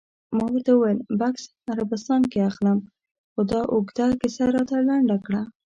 ما ورته وویل: بکس عربستان کې اخلم، خو دا اوږده کیسه راته لنډه کړه.